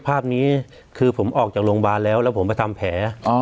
ภาพนี้คือผมออกจากโรงพยาบาลแล้วแล้วผมไปทำแผล